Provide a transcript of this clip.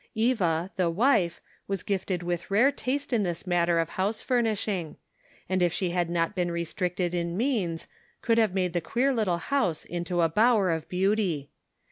Eva, the wife, was gifted with rare taste in this matter of house furnishing, and if she had not been re stricted in means, could have made the queer little house into a bower of beauty.